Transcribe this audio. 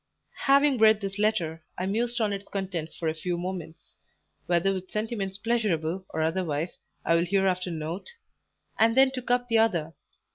Having read this letter, I mused on its contents for a few moments whether with sentiments pleasurable or otherwise I will hereafter note and then took up the other.